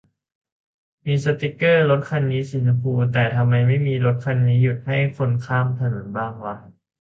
มีสติกเกอร์ "รถคันนี้สีชมพู" แต่ทำไมไม่มี "รถคันนี้หยุดให้คนข้ามถนน" บ้างวะ